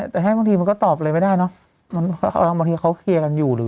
แต่ให้บางทีมันก็ตอบอะไรไม่ได้เนอะบางทีเขาเคลียร์กันอยู่หรือ